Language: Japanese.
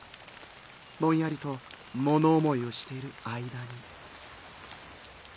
ぼんやりともの思いをしてる間に」。